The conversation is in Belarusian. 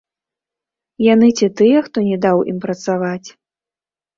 Яны ці тыя, хто не даў ім працаваць?